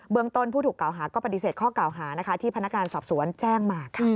เมืองต้นผู้ถูกกล่าวหาก็ปฏิเสธข้อกล่าวหาที่พนักงานสอบสวนแจ้งมา